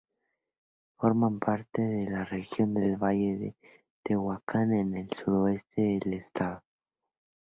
Forma parte de la región del Valle de Tehuacán, en el sureste del estado.